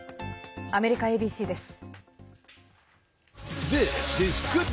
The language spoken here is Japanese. アメリカＡＢＣです。